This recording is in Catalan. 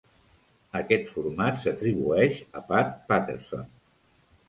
Aquest format s'atribueix a Pat Patterson.